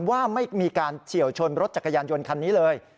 ว่าไม่มีการเฉียวชนรถจักรยานยนต์คันนี้เลย